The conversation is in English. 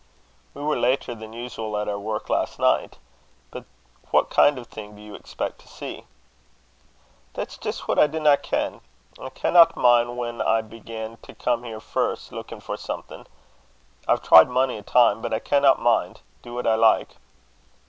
"We were later than usual at our work last night. But what kind of thing do you expect to see?" "That's jist what I dinna ken. An' I canna min' whan I began to come here first, luikin' for something. I've tried mony a time, but I canna min', do what I like."